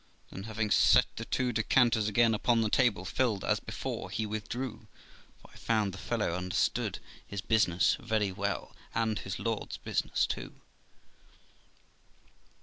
Then, having set the two decanters again upon the table, filled as before, he withdrew; for I found the fellow understood his business very well, and his lord's business too.